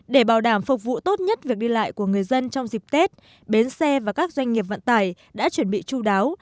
để bảo đảm phục vụ tốt nhất việc đi lại của người dân trong dịp tết bến xe và các doanh nghiệp vận tải đã chuẩn bị chú đáo